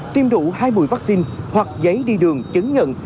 tiêm đủ hai mươi vaccine hoặc giấy đi đường chứng nhận